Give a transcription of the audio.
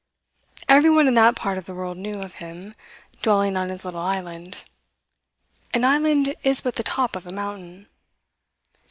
Everyone in that part of the world knew of him, dwelling on his little island. An island is but the top of a mountain.